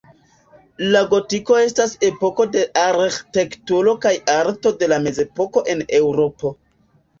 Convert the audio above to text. La gotiko estas epoko de arĥitekturo kaj arto de la mezepoko en Eŭropo.